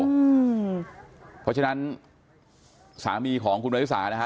เพราะฉะนั้นสามีของคุณวริสานะฮะ